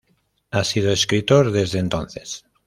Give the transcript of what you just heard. Ha sido escritor desde entonces.